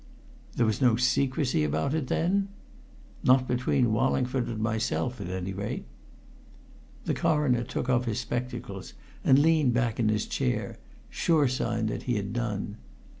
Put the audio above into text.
"There was no secrecy about it, then?" "Not between Wallingford and myself at any rate." The Coroner took off his spectacles and leaned back in his chair sure sign that he had done.